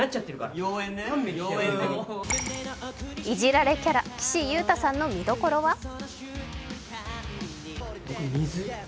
いじられキャラ、岸優太さんの見どころは？